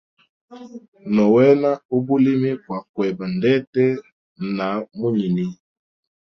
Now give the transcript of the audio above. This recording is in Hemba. No wena ubulimi kwa kweba ndete na munyini.